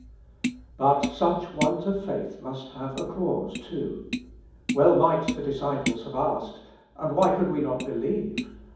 But such want of faith must have a cause too. Well might the disciples have asked :" And why could we not believe